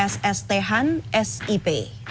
sst han sip